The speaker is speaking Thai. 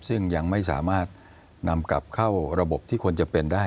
ซึ่งยังไม่สามารถนำกลับเข้าระบบที่ควรจะเป็นได้